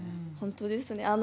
本当ですね。